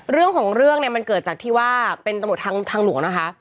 เรื่องของเรื่องเนี่ยมันเกิดจากที่ว่าเป็นตำรวจทางหลวงนะคะ